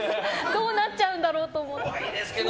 どうなっちゃうんだろうって。